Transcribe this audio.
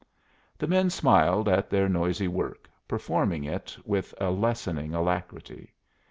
The men smiled at their noisy work, performing it with a lessening alacrity.